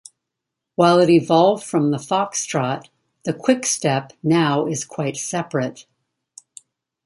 While it evolved from the foxtrot, the quickstep now is quite separate.